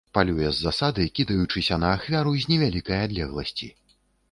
Палюе з засады кідаючыся на ахвяру з невялікай адлегласці.